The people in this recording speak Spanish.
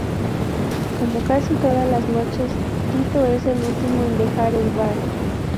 Como casi todas las noches, Tito es el último en dejar el bar.